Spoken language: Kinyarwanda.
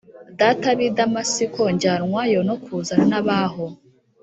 Data b i Damasiko njyanwayo no kuzana n ab aho i